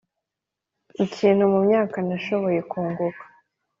ikintu mumyaka, nashoboye kunguka